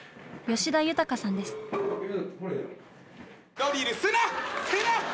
吉田裕さんです。